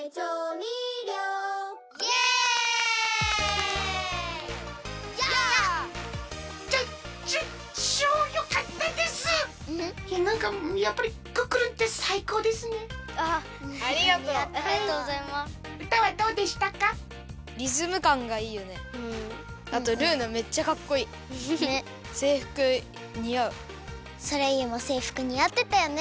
ソレイユもせいふくにあってたよね。